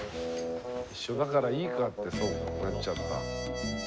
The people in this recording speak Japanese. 一緒だからいいかってそうなっちゃった。